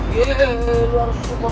yeay lu harus suka temen dong